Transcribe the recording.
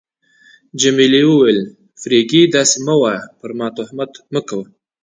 جميلې وويل: فرګي، داسي مه وایه، پر ما تهمت مه کوه.